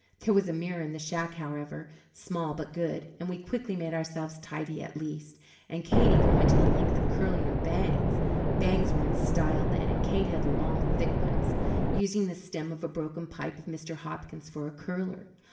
There was a mirror in the shack, however small but good and we quickly made ourselves tidy at least, and Kate even went to the length of curling her bangs bangs were in style then and Kate had long, thick ones using the stem of a broken pipe of Mr. Hopkins's for a curler.